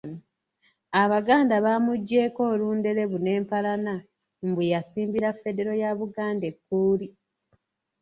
Abaganda bamuggyeko olunderebu n’empalana mbu y'asiimbira Federo ya Buganda ekkuuli.